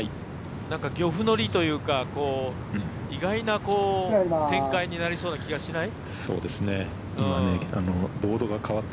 漁夫の利というか意外な展開になりそうな気がしない？